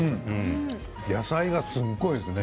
野菜がすごいですね。